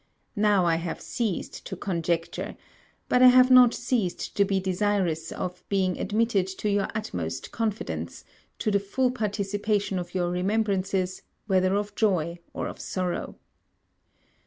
Now I have ceased to conjecture; but I have not ceased to be desirous of being admitted to your utmost confidence, to the full participation of your remembrances, whether of joy or of sorrow.